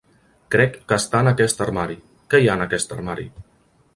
Crec que està en aquest armari. Què hi ha en aquest armari?